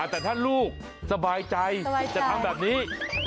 แต่ถ้าลูกสบายใจจะทำแบบนี้